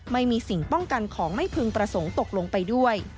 ไม่มีสิ่งป้องกันของไม่พึงประสงค์ตกลงไปด้วย